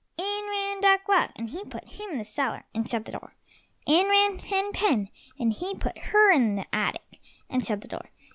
In ran Duck luck, and he put him in the cellar, and shut the door. In ran Hen pen, and he put her in the attic, and shut the door.